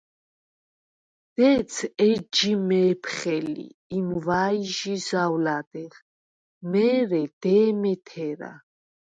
დეც ეჯჟი მე̄ფხე ლი, იმუ̂ა̄̈ჲჟი ზაუ̂ლადეღ, მე̄რე დე̄მე თერა.